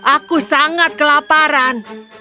aku sangat kelaparan